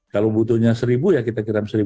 kalau butuhnya seribu ya kita kirim seribu